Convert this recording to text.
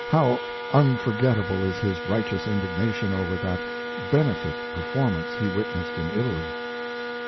How unforgettable is his righteous indignation over that "benefit" performance he witnessed in Italy!